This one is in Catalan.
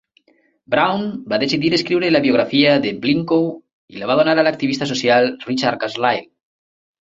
Brown va decidir escriure la biografia de Blincoe i la va donar a l'activista social Richard Carlisle.